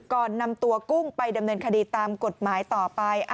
ก่อนนำตัวกุ้งไปดำเนินคดีตามกฎหมายต่อไป